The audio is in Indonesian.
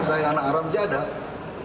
saya anak aram jadah